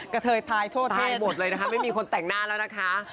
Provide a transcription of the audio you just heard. เทยทายทั่วไทยหมดเลยนะคะไม่มีคนแต่งหน้าแล้วนะคะ